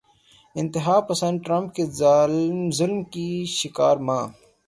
انتہا پسند ٹرمپ کے ظلم کی شکار ماں